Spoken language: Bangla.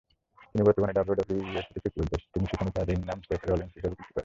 তিনি বর্তমানে ডাব্লিউডাব্লিউই এর সাথে চুক্তিবদ্ধ, তিনি সেখানে তার রিং নাম সেথ রলিন্স হিসেবে কুস্তি করেন।